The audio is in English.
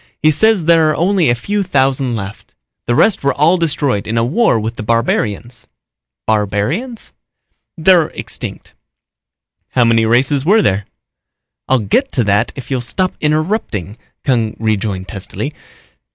He says there are only a few thousand left. The rest were all destroyed in a war with the barbarians." "Barbarians?" "They're extinct." "How many races were there?" "I'll get to that if you'll stop interrupting," Kung rejoined testily.